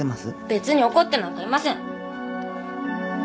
別に怒ってなんかいません。